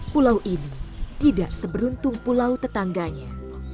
pulau ini tidak seberuntung pulau tetangganya